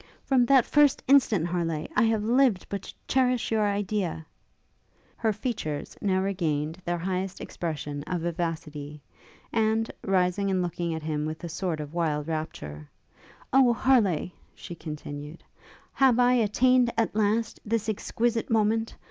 'From that first instant, Harleigh! I have lived but to cherish your idea!' Her features now regained their highest expression of vivacity; and, rising, and looking at him with a sort of wild rapture, 'Oh Harleigh!' she continued, 'have I attained, at last, this exquisite moment?